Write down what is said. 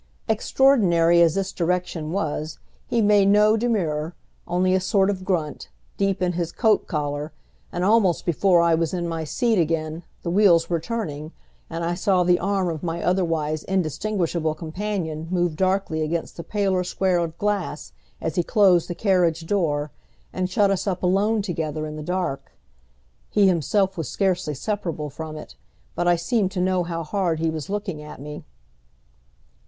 Extraordinary as this direction was, he made no demur, only a sort of grunt, deep in his coat collar, and almost before I was in my seat again the wheels were turning, and I saw the arm of my otherwise indistinguishable companion move darkly against the paler square of glass as he closed the carriage door, and shut us up alone together in the dark. He himself was scarcely separable from it, but I seemed to know how hard he was looking at me.